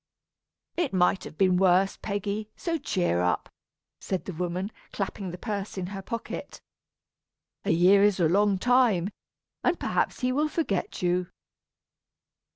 "It might have been worse, Peggy, so cheer up," said the woman, clapping the purse in her pocket. "A year is a long time, and perhaps he will forget you."